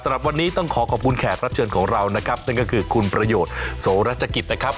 สำหรับวันนี้ต้องขอขอบคุณแขกรับเชิญของเรานะครับนั่นก็คือคุณประโยชน์โสรัชกิจนะครับ